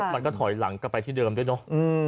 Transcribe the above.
มันก็ถอยหลังกลับไปที่เดิมด้วยเนอะ